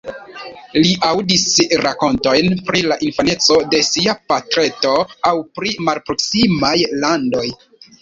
Li aŭdis rakontojn pri la infaneco de sia patreto aŭ pri malproksimaj landoj.